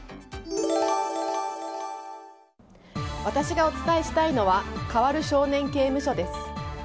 私がお伝えしたいのは変わる少年刑務所です。